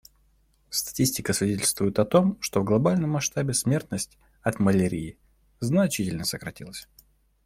Статистика свидетельствует о том, что в глобальном масштабе смертность от малярии значительно сократилась.